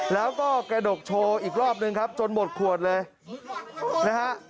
แล้วก็กระดกโชว์อีกรอบนึงครับจนหมดขวดเลยนะฮะ